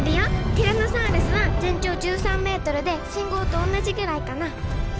ティラノサウルスは全長１３ｍで信号と同じぐらいかな。